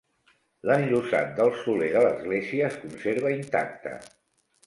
L'enllosat del soler de l'església es conserva intacte.